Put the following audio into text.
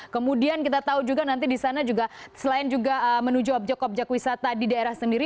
kemudian kita tahu juga nanti di sana juga selain juga menuju objek objek wisata di daerah sendiri